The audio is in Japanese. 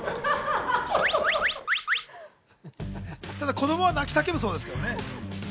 子どもは泣き叫ぶそうですけどね。